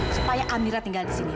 supaya amira tinggal di sini